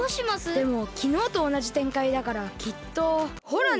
でもきのうとおなじてんかいだからきっとほらね。